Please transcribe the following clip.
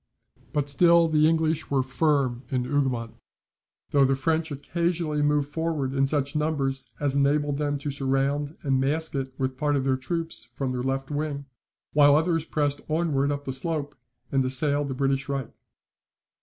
But still the English were firm in Hougoumont; though the French occasionally moved forward in such numbers as enabled them to surround and mask it with part of their troops from their left wing, while others pressed onward up the slope, and assailed the British right.